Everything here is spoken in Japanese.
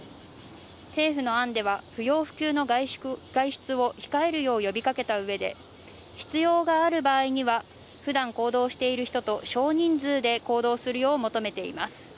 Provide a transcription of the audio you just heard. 政府の案では不要不急の外出を控えるよう呼びかけた上で、必要がある場合には普段行動している人と少人数で行動するよう求めています。